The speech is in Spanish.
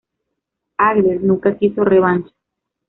Hagler nunca quiso revancha.